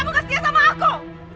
kamu gak setia sama aku